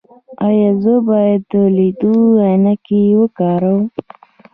ایا زه باید د لیدلو عینکې وکاروم؟